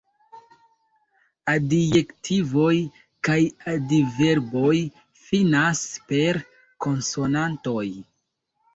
Adjektivoj kaj adverboj finas per konsonantoj.